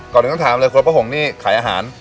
ก่อนถึงต้องถามเลยคนป้าหงนี่ขายอาหาร